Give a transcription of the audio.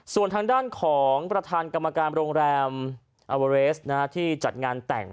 ส่วนทางด้านของประธานกรรมการโรงแรมอาเวอเรสที่จัดงานแต่ง